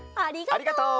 ありがとう！